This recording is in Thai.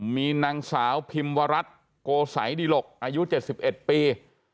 มีนางสาวพิมวรัสโกสายดิหลกอายุเจ็ดสิบเอ็ดปี